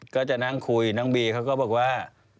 ก็จะนั่งคุยน้องบีเขาก็บอกว่า